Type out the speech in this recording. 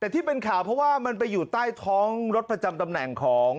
แต่ที่เป็นข่าวเพราะว่ามันไปอยู่ใต้ท้องรถประจำตำแหน่งของ